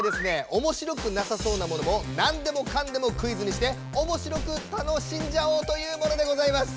おもしろくなさそうなものもナンでもカンでもクイズにしておもしろく楽しんじゃおうというものでございます。